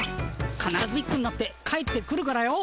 かならずビッグになって帰ってくるからよ。